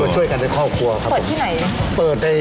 ช่วยกันในครอบครัวครับผม